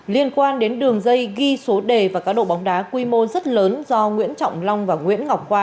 liên quan đến đường dây ghi số đề và cá độ bóng đá quy mô rất lớn do nguyễn trọng long và nguyễn ngọc khoa